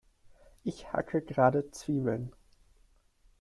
Ich hacke gerade Zwiebeln.